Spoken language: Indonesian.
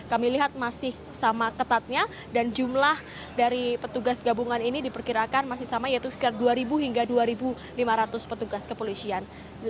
kami lihat masih sama ketatnya dan jumlah dari petugas gabungan ini diperkirakan masih sama yaitu sekitar dua hingga dua lima ratus petugas kepolisian